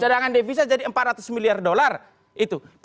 cadangan devisa jadi rp empat ratus